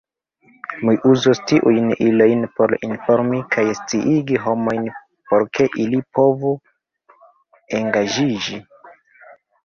Mi uzos tiujn ilojn por informi kaj sciigi homojn por ke ili povu engaĝiĝi.